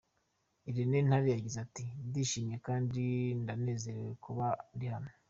Irene Ntale yagize ati "Ndishimye kandi ndanezerewe kuba ndi hano.